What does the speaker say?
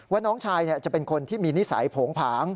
น้องชายจะเป็นคนที่มีนิสัยโผงผาง